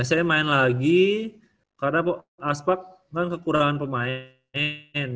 saya main lagi karena aspak kan kekurangan pemain